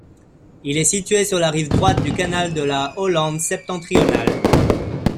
Il est situé sur la rive droite du Canal de la Hollande-Septentrionale.